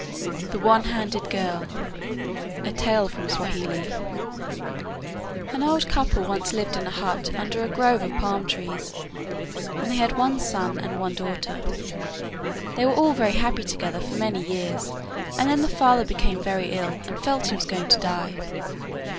The One Handed Girl An old couple once lived in a hut under a grove of palm trees, and they had one son and one daughter. They were all very happy together for many years, and then the father became very ill, and felt he was going to die.